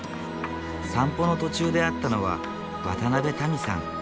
散歩の途中で会ったのは渡辺民さん。